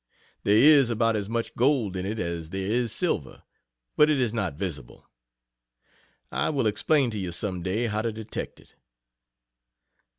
There is about as much gold in it as there is silver, but it is not visible. I will explain to you some day how to detect it.